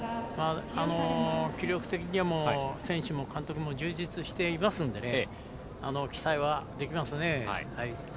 気力的にも選手も監督も充実していますので期待はできますね。